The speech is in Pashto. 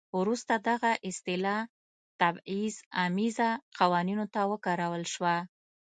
وروسته دغه اصطلاح تبعیض امیزه قوانینو ته وکارول شوه.